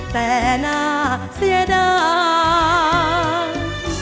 แต่หน้าเสียด้าน